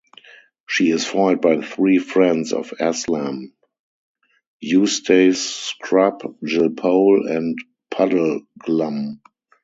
She is foiled by three friends of Aslan: Eustace Scrubb, Jill Pole, and Puddleglum.